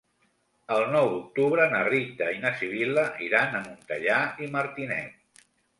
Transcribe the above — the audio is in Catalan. El nou d'octubre na Rita i na Sibil·la iran a Montellà i Martinet.